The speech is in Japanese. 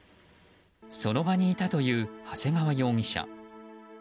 その場にいたという長谷川容疑者。